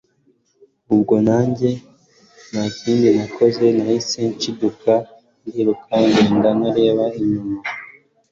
ubwo nanjye ntakindi nakoze nahise nshiduka ndiruka ngenda ntareba inyuma